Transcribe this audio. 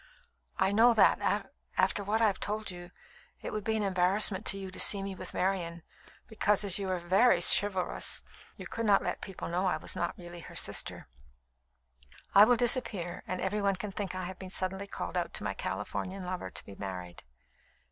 I know that, after what I have told you, it would be an embarrassment to you to see me with Marian, because as you are very chivalrous, you could not let people know I was not really her sister. I will disappear, and every one can think I have been suddenly called out to my Californian lover to be married."